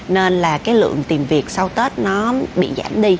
nên là cái lượng tìm việc sau tết nó bị giảm đi